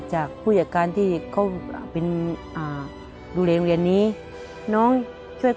และกับผู้จัดการที่เขาเป็นดูเรียนหนังสือ